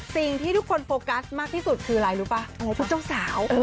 สิ่งที่ทุกคนโฟกัสมากที่สุดคืออะไรรู้ป่ะอะไรพุทธเจ้าสาว